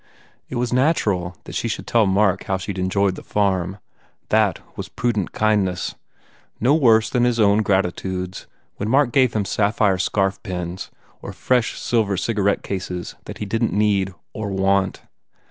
It was natural that she should tell Mark how she d enjoyed the farm. That was prudent kindness, no worse than his own gratitudes when Mark gave him sapphire scarf pins and fresh silver cigarette cases that he didn t need or want.